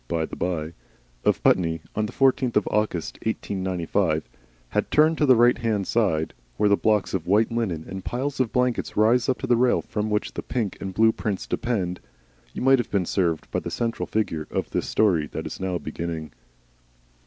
by the bye of Putney, on the 14th of August, 1895, had turned to the right hand side, where the blocks of white linen and piles of blankets rise up to the rail from which the pink and blue prints depend, you might have been served by the central figure of this story that is now beginning.